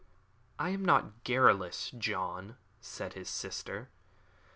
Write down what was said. "I am not garrulous, John," said his sister.